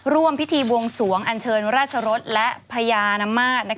ร่วมพิธีบวงสวงอันเชิญราชรสและพญานมาตร